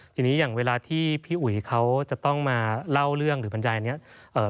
ทีนี้อย่างเวลาที่พี่อุ๋ยเขาจะต้องมาเล่าเรื่องหรือบรรยายนี้